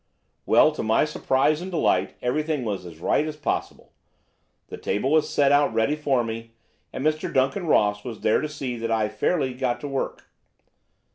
"Well, to my surprise and delight, everything was as right as possible. The table was set out ready for me, and Mr. Duncan Ross was there to see that I got fairly to work.